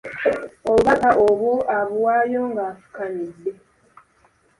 Obubaka obwo abuwaayo nga afukamidde.